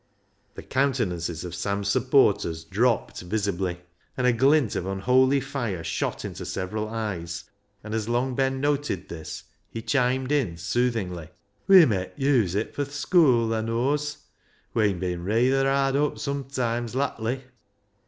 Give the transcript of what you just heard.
The countenances of Sam's supporters dropped visibly, and a glint of unholy fire shot into several eyes, and as Long Ben noted this he chimed in soothingly — "We met use it fur th' schoo', thaa knows. We'en bin rayther hard up sometimes lattly."